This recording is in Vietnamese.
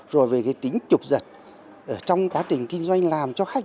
rồi về cái tính chụp giật trong quá trình kinh doanh làm cho khách